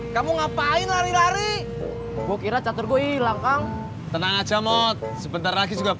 kalo puasa emangnya masih kuliah